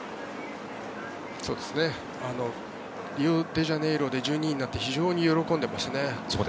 リオデジャネイロで１２位になって非常に喜んでいましたね。